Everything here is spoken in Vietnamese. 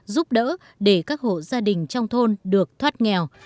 giúp đỡ để các hộ gia đình trong thôn được thoát nghèo